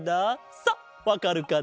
さっわかるかな？